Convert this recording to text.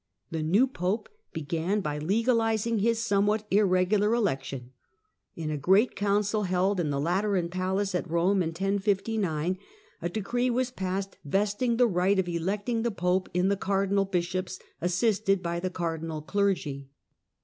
The new Pope began by legalizing his somewhat irregular election. In a great Council, held in the Lateran Palace at Rome in 1059, a decree was passed vesting the right of electing the Pope in the cardinal bishops, assisted by the cardinal clergy.